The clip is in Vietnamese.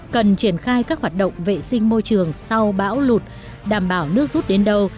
cần triển khai các hoạt động vệ sinh môi trường sau bão lụt đảm bảo nước rút đến đâu